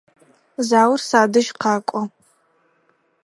Заур садэжь къэкӏо.